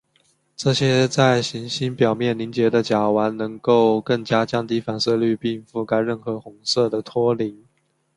这些在行星表面凝结的甲烷能够更加降低反射率并覆盖任何红色的托林。